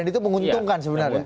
itu menguntungkan sebenarnya